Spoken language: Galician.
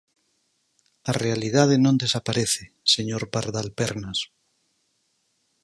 A realidade non desaparece, señor Pardal Pernas.